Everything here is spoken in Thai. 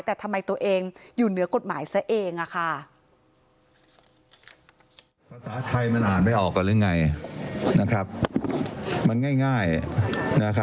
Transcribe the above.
แต่ทำไมตัวเองอยู่เหนือกฎหมายซะเองค่ะ